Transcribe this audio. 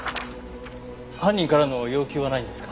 犯人からの要求はないんですか？